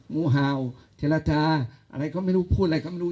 งูเห่าเจรจาอะไรก็ไม่รู้พูดอะไรก็ไม่รู้